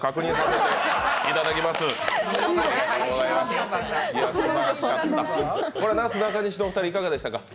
なすなかにしのお二人いかがでしたか？